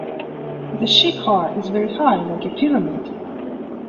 The shikhar is very high, like a pyramid.